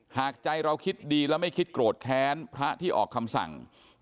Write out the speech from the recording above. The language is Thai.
หากใจเราคิดดีและไม่คิดโกรธแค้นพระที่ออกคำสั่ง